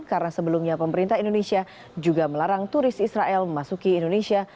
karena sebelumnya pemerintah indonesia juga melarang turis israel memasuki indonesia